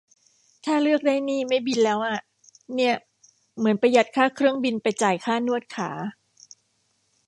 ถ้าเลือกได้นี่ไม่บินแล้วอะ เนี่ย เหมือนประหยัดค่าเครื่องบินไปจ่ายค่านวดขา